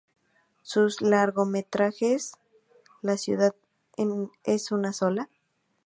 Sus largometrajes ¿La ciudad es una sola?